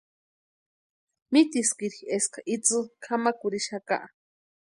Mitiskiri eska itsï kʼamakurhixaka.